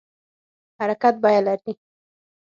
حرکت بیه لري